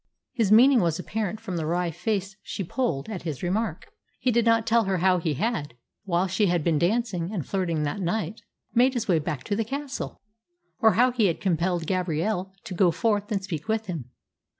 His meaning was apparent from the wry face she pulled at his remark. He did not tell her how he had, while she had been dancing and flirting that night, made his way back to the castle, or how he had compelled Gabrielle to go forth and speak with him.